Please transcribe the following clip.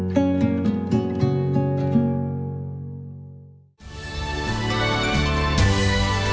hẹn gặp lại